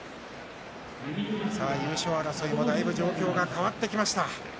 優勝争いへの状況が変わってきました。